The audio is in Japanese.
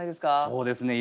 そうですね。